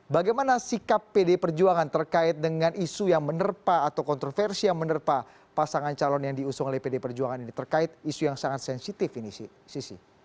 bagaimana sikap pdi perjuangan terkait dengan isu yang menerpa atau kontroversi yang menerpa pasangan calon yang diusung oleh pd perjuangan ini terkait isu yang sangat sensitif ini sisi